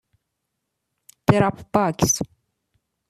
دراپ باکس